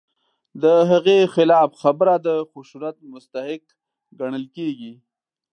د هغې خلاف خبره د خشونت مستحق ګڼل کېږي.